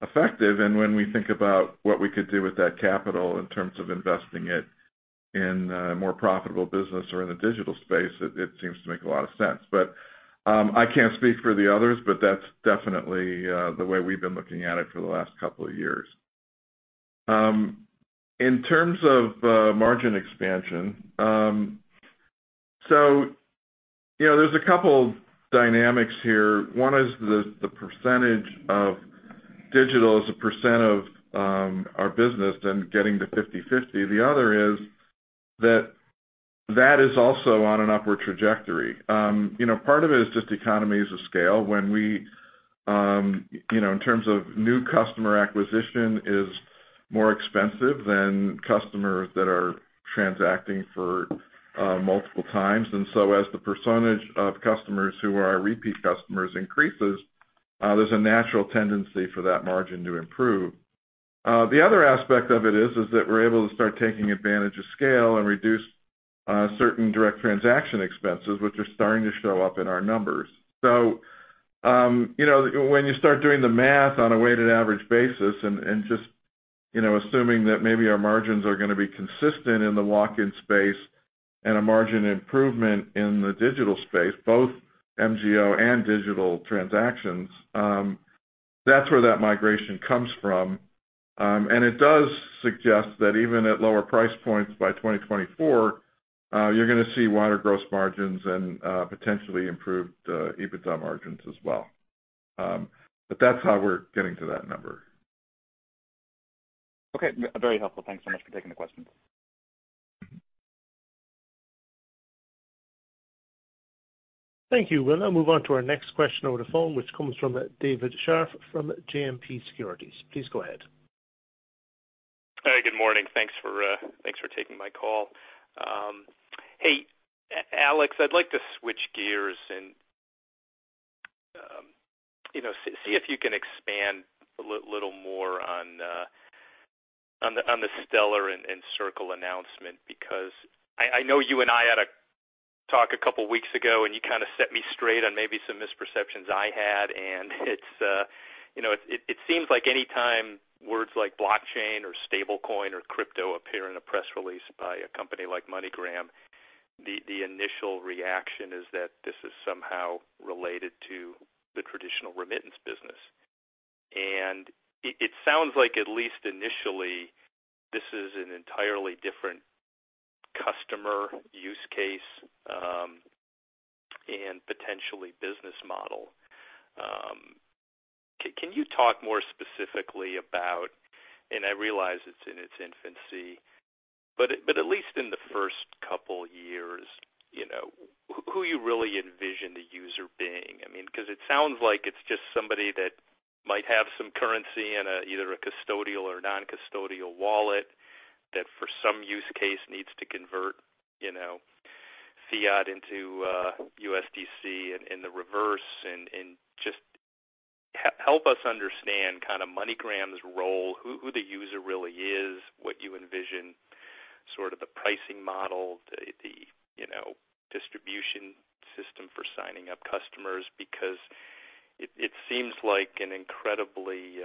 effective. When we think about what we could do with that capital in terms of investing it in a more profitable business or in the digital space, it seems to make a lot of sense. I can't speak for the others, but that's definitely the way we've been looking at it for the last couple of years. In terms of margin expansion, you know, there's a couple dynamics here. One is the percentage of digital as a percent of our business and getting to 50/50. The other is that that is also on an upward trajectory. You know, part of it is just economies of scale when we, you know, in terms of new customer acquisition is more expensive than customers that are transacting for multiple times. As the percentage of customers who are our repeat customers increases, there's a natural tendency for that margin to improve. The other aspect of it is that we're able to start taking advantage of scale and reduce certain direct transaction expenses, which are starting to show up in our numbers. You know, when you start doing the math on a weighted average basis and just, you know, assuming that maybe our margins are gonna be consistent in the walk-in space and a margin improvement in the digital space, both MGO and digital transactions, that's where that migration comes from. It does suggest that even at lower price points by 2024, you're gonna see wider gross margins and potentially improved EBITDA margins as well. That's how we're getting to that number.
Okay. Very helpful. Thanks so much for taking the question.
Thank you. We'll now move on to our next question over the phone, which comes from David Scharf from JMP Securities. Please go ahead.
Hey, good morning. Thanks for taking my call. Hey, Alex, I'd like to switch gears and, you know, see if you can expand a little more on the Stellar and Circle announcement, because I know you and I had a talk a couple weeks ago, and you kinda set me straight on maybe some misperceptions I had. It seems like any time words like blockchain or stablecoin or crypto appear in a press release by a company like MoneyGram, the initial reaction is that this is somehow related to the traditional remittance business. It sounds like at least initially this is an entirely different customer use case and potentially business model. Can you talk more specifically about, and I realize it's in its infancy, but at least in the first couple years, you know, who you really envision the user being? I mean, 'cause it sounds like it's just somebody that might have some currency in either a custodial or non-custodial wallet that for some use case needs to convert, you know, fiat into USDC and the reverse. And just help us understand kinda MoneyGram's role, who the user really is, what you envision sort of the pricing model, the distribution system for signing up customers. Because it seems like an incredibly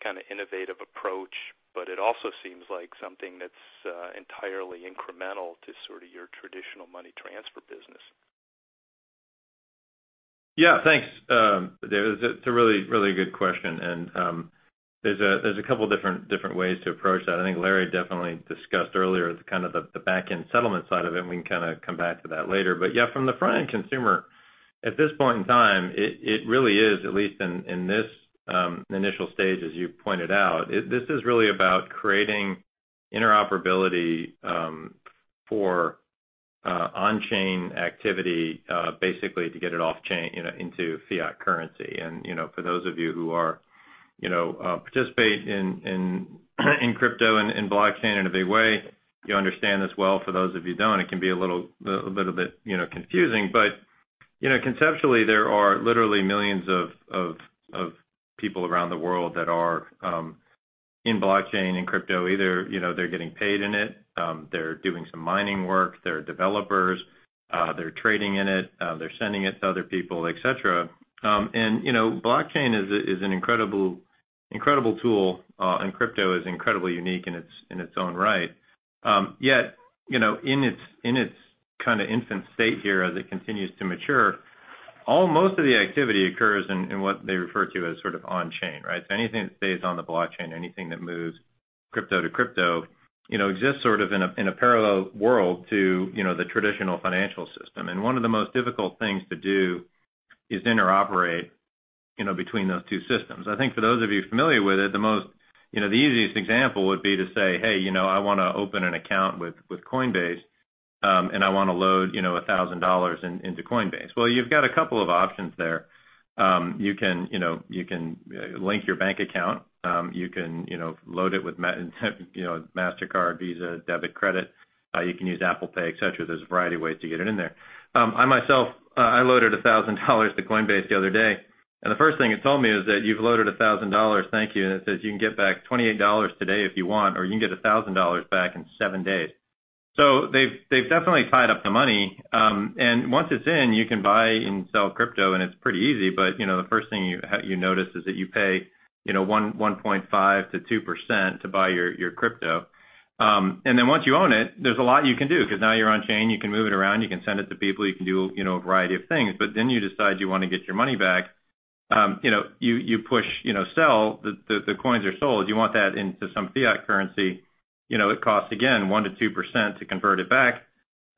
kinda innovative approach, but it also seems like something that's entirely incremental to sorta your traditional money transfer business.
Yeah. Thanks, David. It's a really good question and, there's a couple different ways to approach that. I think Larry definitely discussed earlier the kind of the backend settlement side of it, and we can kinda come back to that later. Yeah, from the front-end consumer, at this point in time, it really is, at least in this initial stage as you pointed out, this is really about creating interoperability for on-chain activity, basically to get it off-chain, you know, into fiat currency. You know, for those of you who are, you know, participate in crypto and in blockchain in a big way, you understand this well. For those of you who don't, it can be a little bit, you know, confusing. You know, conceptually there are literally millions of people around the world that are in blockchain and crypto either, you know, they're getting paid in it, they're doing some mining work, they're developers, they're trading in it, they're sending it to other people, et cetera. You know, blockchain is an incredible tool, and crypto is incredibly unique in its own right. Yet, you know, in its kinda infant state here as it continues to mature, almost all of the activity occurs in what they refer to as sort of on-chain, right? Anything that stays on the blockchain, anything that moves crypto to crypto, you know, exists sort of in a parallel world to, you know, the traditional financial system. One of the most difficult things to do is interoperate, you know, between those two systems. I think for those of you familiar with it, the most, you know, the easiest example would be to say, "Hey, you know, I wanna open an account with Coinbase, and I wanna load, you know, $1,000 into Coinbase." Well, you've got a couple of options there. You can, you know, link your bank account. You can, you know, load it with Mastercard, Visa, debit, credit. You can use Apple Pay, et cetera. There's a variety of ways to get it in there. I myself loaded $1,000 to Coinbase the other day, and the first thing it told me is that you've loaded $1,000, thank you. It says you can get back $28 today if you want, or you can get $1,000 back in seven days. They've definitely tied up the money. Once it's in, you can buy and sell crypto and it's pretty easy. You know, the first thing you notice is that you pay, you know, 1.5%-2% to buy your crypto. Then once you own it, there's a lot you can do, 'cause now you're on-chain, you can move it around, you can send it to people, you can do, you know, a variety of things. Then you decide you wanna get your money back, you know, you push, you know, sell, the coins are sold, you want that into some fiat currency. You know, it costs, again, 1%-2% to convert it back,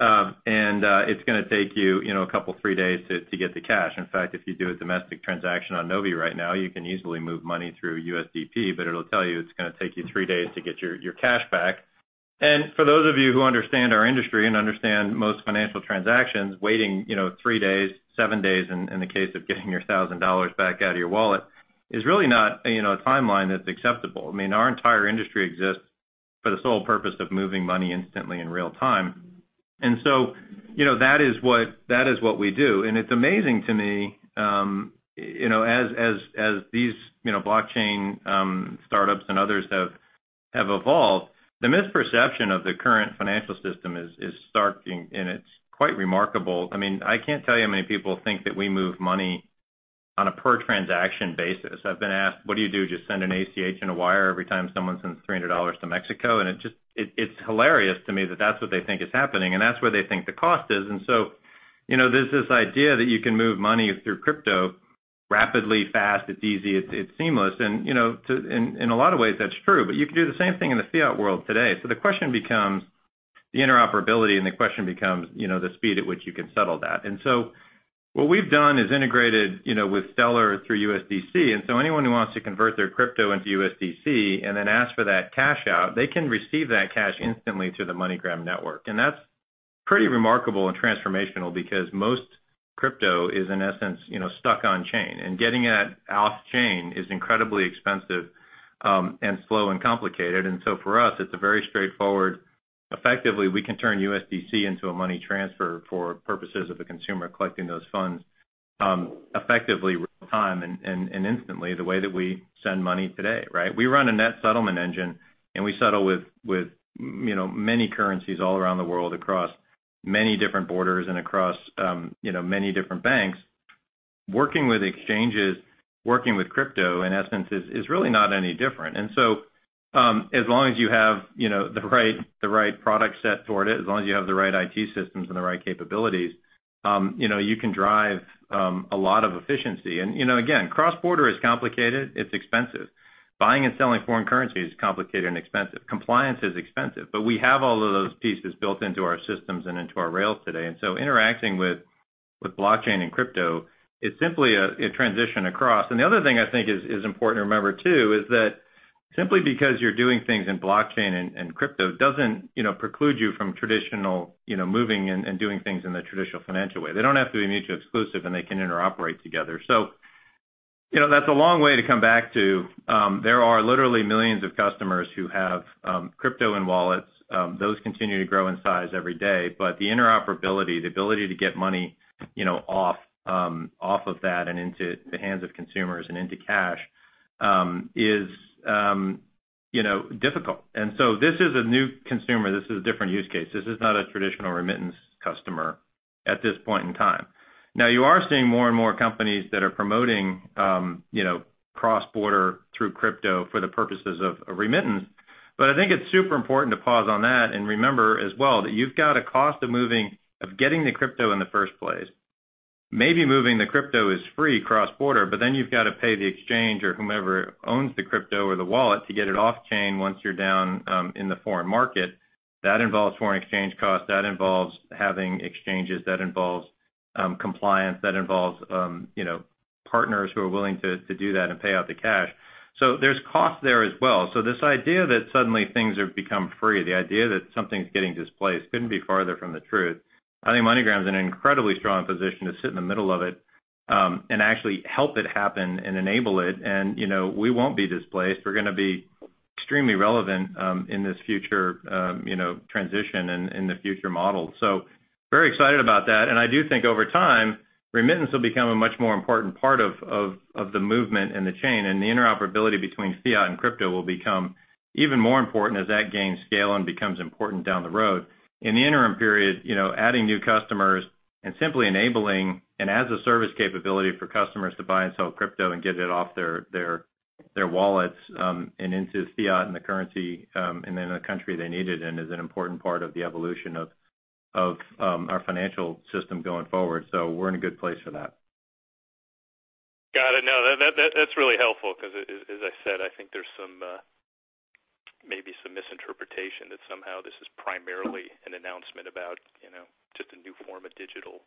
and it's gonna take you know, a couple, three days to get the cash. In fact, if you do a domestic transaction on Novi right now, you can easily move money through USDP, but it'll tell you it's gonna take you three days to get your cash back. For those of you who understand our industry and understand most financial transactions, waiting, you know, three days, seven days in the case of getting your $1,000 back out of your wallet, is really not, you know, a timeline that's acceptable. I mean, our entire industry exists for the sole purpose of moving money instantly in real time. You know, that is what we do. It's amazing to me, you know, as these, you know, blockchain startups and others have evolved, the misperception of the current financial system is stark and it's quite remarkable. I mean, I can't tell you how many people think that we move money on a per transaction basis. I've been asked, "What do you do? Do you send an ACH and a wire every time someone sends $300 to Mexico?" It just, it's hilarious to me that that's what they think is happening, and that's where they think the cost is. You know, there's this idea that you can move money through crypto rapidly, fast, it's easy, it's seamless. You know, in a lot of ways that's true, but you can do the same thing in the fiat world today. The question becomes the interoperability, and the question becomes, you know, the speed at which you can settle that. What we've done is integrated, you know, with Stellar through USDC. Anyone who wants to convert their crypto into USDC and then ask for that cash out, they can receive that cash instantly through the MoneyGram network. That's pretty remarkable and transformational because most crypto is in essence, you know, stuck on-chain, and getting it off-chain is incredibly expensive, and slow and complicated. For us, it's a very straightforward. Effectively, we can turn USDC into a money transfer for purposes of the consumer collecting those funds, effectively real time and instantly the way that we send money today, right? We run a net settlement engine, and we settle with you know many currencies all around the world across many different borders and across you know many different banks. Working with exchanges, working with crypto, in essence, is really not any different. As long as you have you know the right product set for it, as long as you have the right IT systems and the right capabilities, you know you can drive a lot of efficiency. You know again cross-border is complicated, it's expensive. Buying and selling foreign currency is complicated and expensive. Compliance is expensive. We have all of those pieces built into our systems and into our rails today. Interacting with blockchain and crypto is simply a transition across. The other thing I think is important to remember too is that simply because you're doing things in blockchain and crypto doesn't you know preclude you from traditional you know moving and doing things in the traditional financial way. They don't have to be mutually exclusive, and they can interoperate together. You know that's a long way to come back to there are literally millions of customers who have crypto and wallets. Those continue to grow in size every day. But the interoperability the ability to get money you know off of that and into the hands of consumers and into cash is you know difficult. This is a new consumer. This is a different use case. This is not a traditional remittance customer at this point in time. Now, you are seeing more and more companies that are promoting, you know, cross-border through crypto for the purposes of remittance. I think it's super important to pause on that and remember as well that you've got a cost of getting the crypto in the first place. Maybe moving the crypto is free cross-border, but then you've got to pay the exchange or whomever owns the crypto or the wallet to get it off-chain once you're down in the foreign market. That involves foreign exchange costs. That involves having exchanges. That involves compliance. That involves you know, partners who are willing to do that and pay out the cash. There's costs there as well. This idea that suddenly things have become free, the idea that something's getting displaced couldn't be farther from the truth. I think MoneyGram is in an incredibly strong position to sit in the middle of it, and actually help it happen and enable it and, you know, we won't be displaced. We're gonna be extremely relevant in this future, you know, transition and the future model. Very excited about that. I do think over time, remittance will become a much more important part of the movement and the chain, and the interoperability between fiat and crypto will become even more important as that gains scale and becomes important down the road. In the interim period, you know, adding new customers and simply enabling an as-a-service capability for customers to buy and sell crypto and get it off their wallets, and into fiat and the currency, and in a country they need it in is an important part of the evolution of our financial system going forward. We're in a good place for that.
Got it. No, that's really helpful because as I said, I think there's some, maybe some misinterpretation that somehow this is primarily an announcement about, you know, just a new form of digital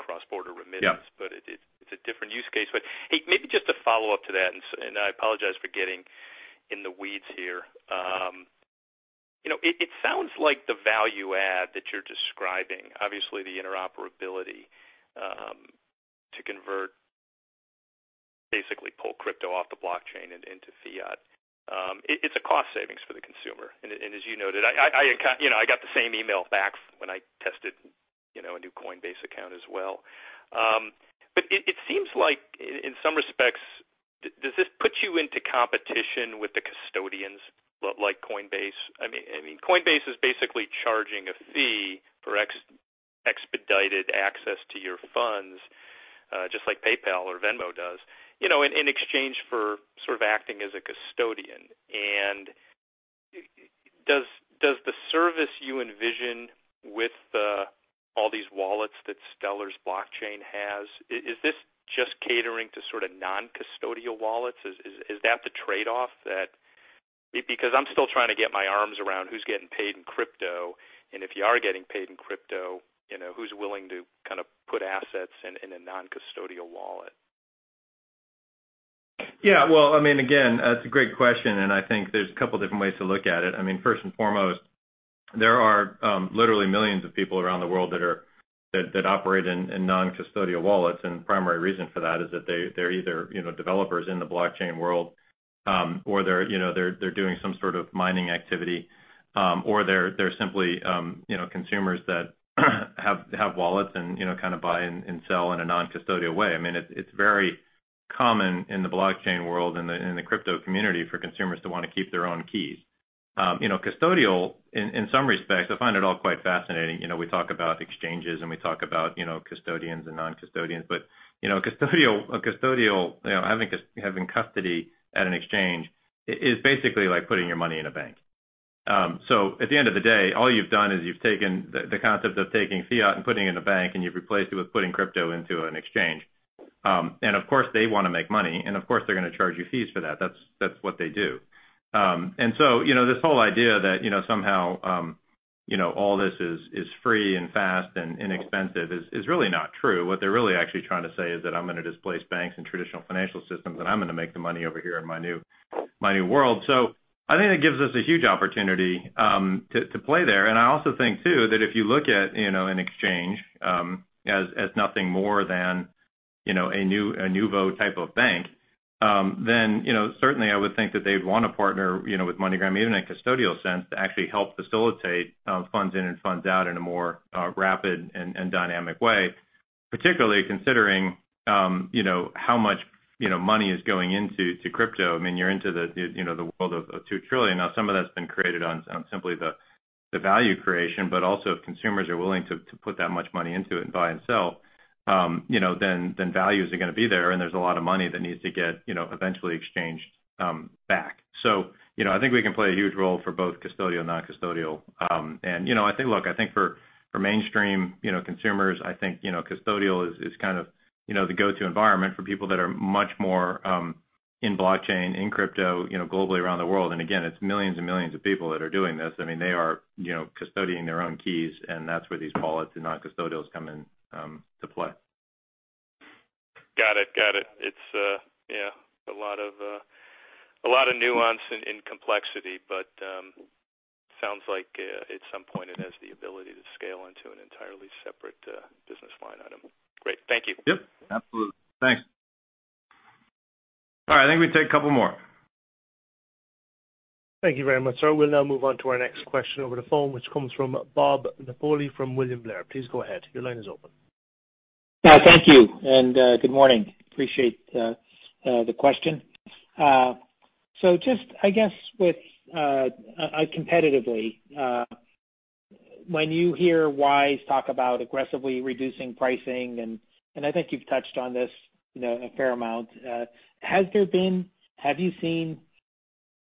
cross-border remittance. It's a different use case. Hey, maybe just to follow up to that, and I apologize for getting in the weeds here. You know, it sounds like the value add that you're describing, obviously the interoperability, to convert, basically pull crypto off the blockchain and into fiat, it's a cost savings for the consumer. As you noted, I, you know, I got the same email back when I tested, you know, a new Coinbase account as well. It seems like in some respects, does this put you into competition with the custodians like Coinbase? I mean, Coinbase is basically charging a fee for expedited access to your funds, just like PayPal or Venmo does, you know, in exchange for sort of acting as a custodian. Does the service you envision with all these wallets that Stellar's blockchain has is this just catering to sort of non-custodial wallets? Is that the trade-off? Because I'm still trying to get my arms around who's getting paid in crypto, and if you are getting paid in crypto, you know, who's willing to kind of put assets in a non-custodial wallet.
Yeah. Well, I mean, again, that's a great question, and I think there's a couple different ways to look at it. I mean, first and foremost, there are literally millions of people around the world that are that operate in non-custodial wallets, and the primary reason for that is that they're either, you know, developers in the blockchain world, or they're doing some sort of mining activity, or they're simply, you know, consumers that have wallets and, you know, kind of buy and sell in a non-custodial way. I mean, it's very common in the blockchain world and the crypto community for consumers to wanna keep their own keys. You know, custodial in some respects, I find it all quite fascinating. You know, we talk about exchanges and we talk about custodians and non-custodians, but you know, custodial having custody at an exchange is basically like putting your money in a bank. So at the end of the day, all you've done is you've taken the concept of taking fiat and putting it in a bank and you've replaced it with putting crypto into an exchange. Of course, they wanna make money, and of course, they're gonna charge you fees for that. That's what they do. You know, this whole idea that you know, somehow you know, all this is free and fast and inexpensive is really not true. What they're really actually trying to say is that I'm gonna displace banks and traditional financial systems, and I'm gonna make the money over here in my new world. I think that gives us a huge opportunity to play there. I also think too that if you look at, you know, an exchange as nothing more than, you know, a nouveau type of bank, then, you know, certainly I would think that they'd want to partner, you know, with MoneyGram even in a custodial sense to actually help facilitate funds in and funds out in a more rapid and dynamic way. Particularly considering, you know, how much, you know, money is going into crypto. I mean, you're into the, you know, the world of $2 trillion. Now some of that's been created on simply the value creation, but also if consumers are willing to put that much money into it and buy and sell, you know, then values are gonna be there, and there's a lot of money that needs to get, you know, eventually exchanged back. I think we can play a huge role for both custodial and non-custodial. You know, I think for mainstream, you know, consumers, I think, you know, custodial is kind of the go-to environment for people that are much more in blockchain, in crypto, you know, globally around the world. Again, it's millions and millions of people that are doing this. I mean, they are, you know, custodying their own keys, and that's where these wallets and non-custodials come in, to play.
Got it. It's yeah, a lot of nuance and complexity, but sounds like at some point it has the ability to scale into an entirely separate business line item. Great. Thank you.
Yep. Absolutely. Thanks. All right. I think we can take a couple more.
Thank you very much, sir. We'll now move on to our next question over the phone, which comes from Bob Napoli from William Blair. Please go ahead. Your line is open.
Thank you, good morning. Appreciate the question. Just, I guess, competitively, when you hear Wise talk about aggressively reducing pricing, and I think you've touched on this, you know, a fair amount, have you seen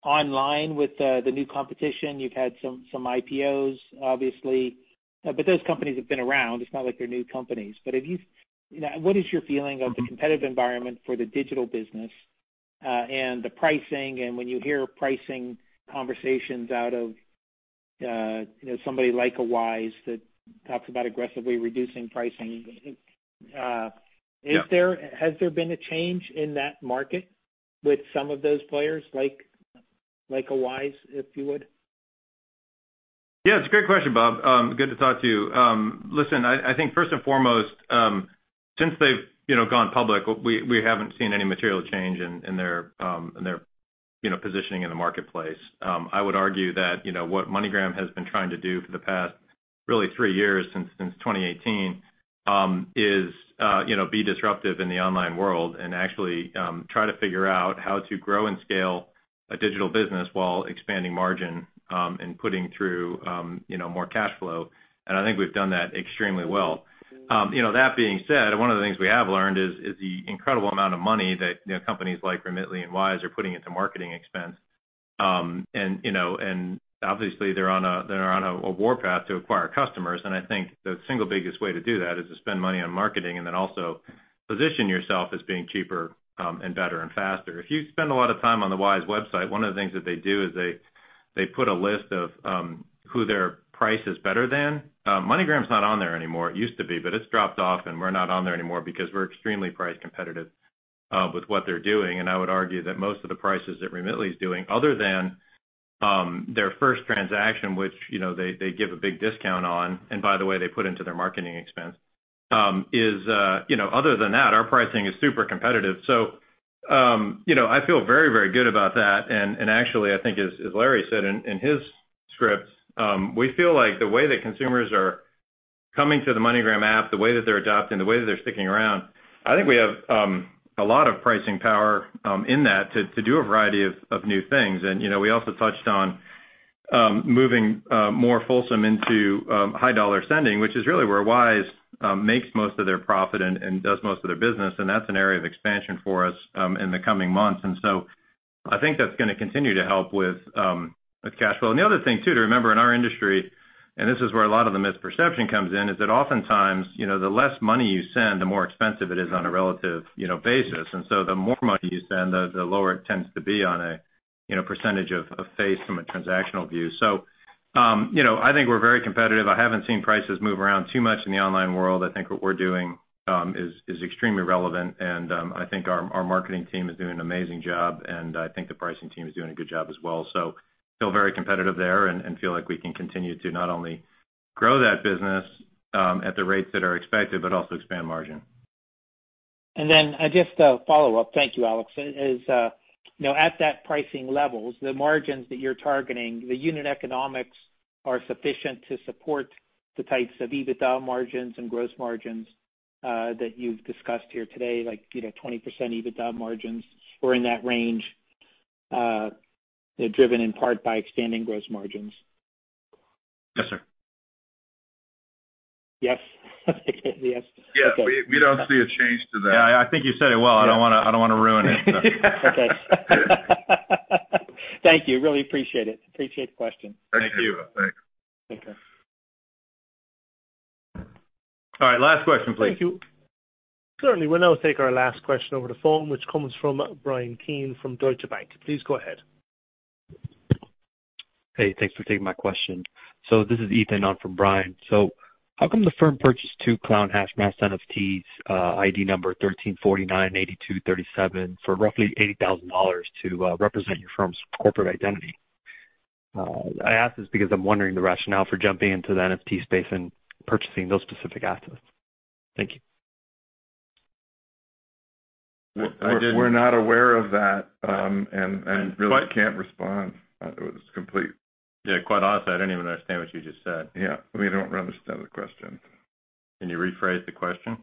online with the new competition? You've had some IPOs, obviously, but those companies have been around. It's not like they're new companies. You know, what is your feeling of the competitive environment for the digital business, and the pricing and when you hear pricing conversations out of, you know, somebody like Wise that talks about aggressively reducing pricing. Has there been a change in that market with some of those players like a Wise, if you would?
Yeah, it's a great question, Bob. Good to talk to you. Listen, I think first and foremost, since they've gone public, we haven't seen any material change in their positioning in the marketplace. I would argue that what MoneyGram has been trying to do for the past really three years since 2018 is be disruptive in the online world and actually try to figure out how to grow and scale a digital business while expanding margin and putting through more cash flow. I think we've done that extremely well. That being said, one of the things we have learned is the incredible amount of money that companies like Remitly and Wise are putting into marketing expense. You know, obviously they're on a warpath to acquire customers, and I think the single biggest way to do that is to spend money on marketing and then also position yourself as being cheaper, and better and faster. If you spend a lot of time on the Wise website, one of the things that they do is they put a list of who their price is better than. MoneyGram's not on there anymore. It used to be, but it's dropped off, and we're not on there anymore because we're extremely price competitive with what they're doing. I would argue that most of the prices that Remitly is doing, other than their first transaction, which, you know, they give a big discount on, and by the way, they put into their marketing expense, is, you know, other than that, our pricing is super competitive. You know, I feel very, very good about that. Actually, I think as Larry said in his script, we feel like the way that consumers are coming to the MoneyGram app, the way that they're adopting, the way that they're sticking around, I think we have a lot of pricing power in that to do a variety of new things. You know, we also touched on moving more fulsome into high dollar sending, which is really where Wise makes most of their profit and does most of their business, and that's an area of expansion for us in the coming months. I think that's gonna continue to help with cash flow. The other thing too to remember in our industry, and this is where a lot of the misperception comes in, is that oftentimes, you know, the less money you send, the more expensive it is on a relative, you know, basis. The more money you spend, the lower it tends to be on a, you know, percentage of face from a transactional view. You know, I think we're very competitive. I haven't seen prices move around too much in the online world. I think what we're doing is extremely relevant, and I think our marketing team is doing an amazing job, and I think the pricing team is doing a good job as well. I feel very competitive there and feel like we can continue to not only grow that business at the rates that are expected, but also expand margin.
Just a follow-up. Thank you, Alex. Is, you know, at that pricing levels, the margins that you're targeting, the unit economics are sufficient to support the types of EBITDA margins and gross margins, that you've discussed here today, like, you know, 20% EBITDA margins or in that range, driven in part by expanding gross margins?
Yes, sir.
Yes? Yes. Okay.
Yes. We don't see a change to that.
Yeah. I think you said it well. I don't wanna ruin it, so.
Okay. Thank you. I really appreciate it. I appreciate the question.
Thank you.
Thanks.
All right, last question, please.
Thank you. Certainly. We'll now take our last question over the phone, which comes from Bryan Keane from Deutsche Bank. Please go ahead.
Hey, thanks for taking my question. This is Ethan on from Brian. How come the firm purchased two Clown Hashmasks NFTs, ID number 1349 8237 for roughly $80,000 to represent your firm's corporate identity? I ask this because I'm wondering the rationale for jumping into the NFT space and purchasing those specific assets. Thank you.
We're not aware of that, and really can't respond. It was complete.
Yeah. To be quite honest, I don't even understand what you just said.
Yeah. We don't understand the question.
Can you rephrase the question?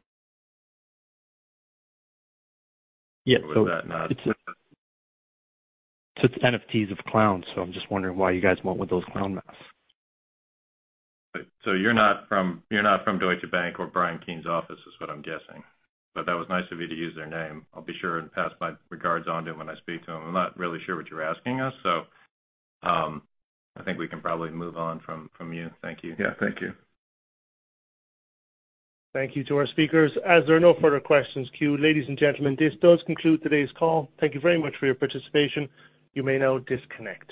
Yeah.
Was that not?
It's NFTs of clowns, so I'm just wondering why you guys went with those clown masks.
You're not from Deutsche Bank or Bryan Keane's office is what I'm guessing. That was nice of you to use their name. I'll be sure and pass my regards on to him when I speak to him. I'm not really sure what you're asking us, so I think we can probably move on from you. Thank you.
Yeah. Thank you.
Thank you to our speakers. As there are no further questions queued, ladies and gentlemen, this does conclude today's call. Thank you very much for your participation. You may now disconnect.